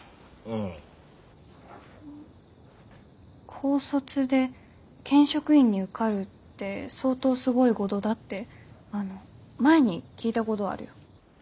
高卒で県職員に受かるって相当すごいごどだってあの前に聞いたごどあるよ。